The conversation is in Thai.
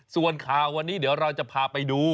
ส่วนข่าววันนี้เดี๋ยวเราจะพาไปดู